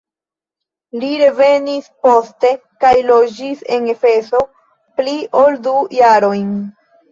Li revenis poste kaj loĝis en Efeso pli ol du jarojn.